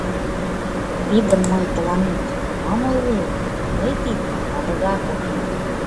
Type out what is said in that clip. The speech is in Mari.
Тидым мый тыланет молан ойлем, тый тидым садыгак от умыло.